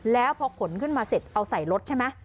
แล้วพอขนขึ้นมาเสร็จเอาใส่รถใช่ไหม